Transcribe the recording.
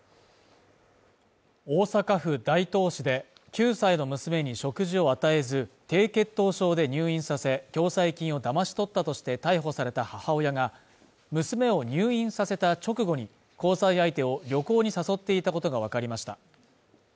大阪府大東市で、９歳の娘に食事を与えず、低血糖症で入院させ、共済金をだまし取ったとして逮捕された母親が娘を入院させた直後に、交際相手を旅行に誘っていたことがわかりました。